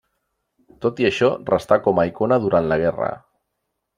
Tot i això, restà com a icona durant la guerra.